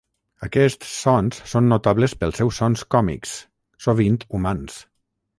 Aquests sons són notables pels seus sons còmics, sovint humans.